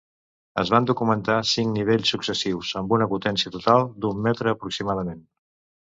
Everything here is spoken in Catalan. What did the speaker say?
Es van documentar cinc nivells successius, amb una potència total d'un metre aproximadament.